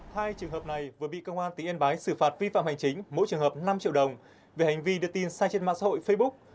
hai trường hợp này vừa bị công an tỉnh yên bái xử phạt vi phạm hành chính mỗi trường hợp năm triệu đồng về hành vi đưa tin sai trên mạng xã hội facebook